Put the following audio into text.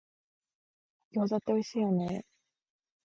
餃子っておいしいよね